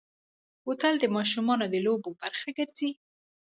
بوتل د ماشومو د لوبو برخه ګرځي.